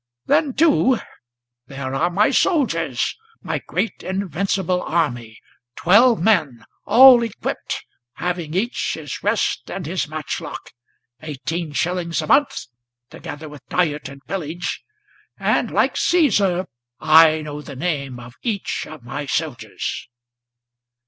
Then, too, there are my soldiers, my great, invincible army, Twelve men, all equipped, having each his rest and his matchlock, Eighteen shillings a month, together with diet and pillage, And, like Caesar, I know the name of each of my soldiers!"